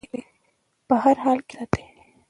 په هر حال کې یې وساتو.